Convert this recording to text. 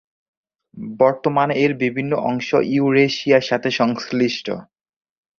বর্তমানে এর বিভিন্ন অংশ ইউরেশিয়ার সাথে সংশ্লিষ্ট।